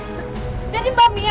ini aja nabrak saya